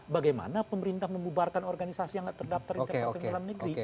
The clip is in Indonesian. bagaimana pemerintah memubarkan organisasi yang nggak terdaftar di departemen dalam negeri